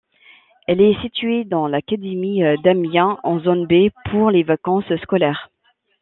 Elle est située dans l'académie d'Amiens, en zone B pour les vacances scolaires.